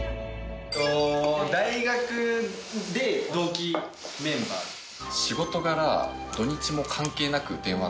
大学で同期メンバーです。